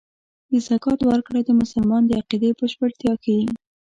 د زکات ورکړه د مسلمان د عقیدې بشپړتیا ښيي.